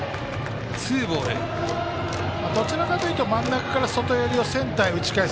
どちらかというと真ん中から外寄りをセンターに打ち返す。